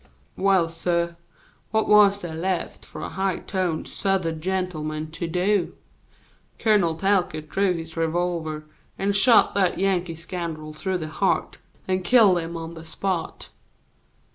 Well, suh, what was there left for a high toned Southern gentleman to do? Colonel Talcott drew his revolver and shot that Yankee scoundrel through the heart, and killed him on the spot.